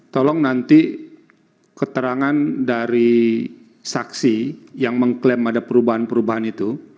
tolong nanti keterangan dari saksi yang mengklaim ada perubahan perubahan itu